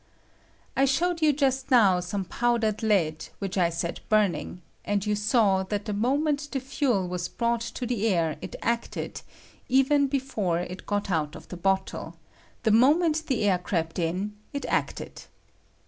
I showed you just now some powdered lead, which I set burning ;{") and you saw that the moment the fuel was brought to the air it acted, even before it got out of the bottle — the mo ment the air crept in it acted.